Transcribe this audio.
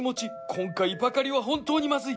今回ばかりは本当にまずい。